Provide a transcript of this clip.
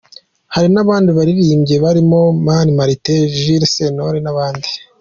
Hari n’abandi baririmbye barimo Mani Martin, Jules Sentore n’abandi.